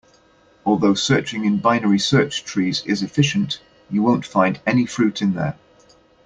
Although searching in binary search trees is efficient, you won't find any fruit in there.